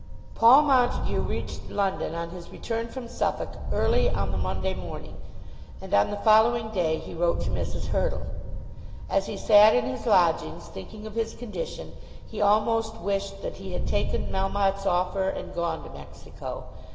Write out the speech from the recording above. Paul Montague reached London on his return from Suffolk early on the Monday morning, and on the following day he wrote to Mrs. Hurtle. As he sat in his lodgings, thinking of his condition, he almost wished that he had taken Melmotte's offer and gone to Mexico.